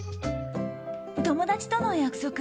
友達との約束。